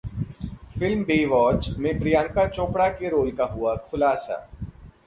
film 'Baywatch' में प्रियंका चोपड़ा के role का हुआ खुलासा